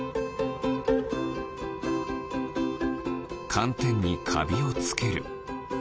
かんてんにカビをつける。